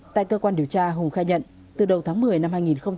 tại cơ quan điều tra hùng khai nhận từ đầu tháng một mươi năm hai nghìn một mươi chín